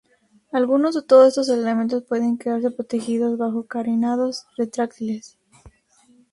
Algunos o todos estos elementos pueden quedar protegidos bajo carenados retráctiles.